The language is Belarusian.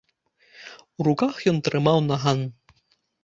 У руках ён трымаў наган.